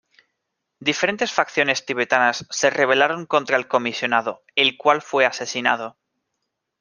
Diferentes facciones tibetanas se rebelaron contra el comisionado, el cual fue asesinado.